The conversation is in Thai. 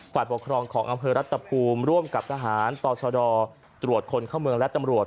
ปกครองของอำเภอรัฐภูมิร่วมกับทหารต่อชดตรวจคนเข้าเมืองและตำรวจ